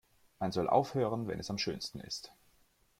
Man soll aufhören, wenn es am schönsten ist.